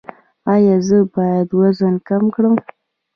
ایا زه باید وزن کم کړم؟